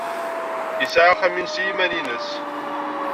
Yesɛa axxam-nnes i yiman-nnes.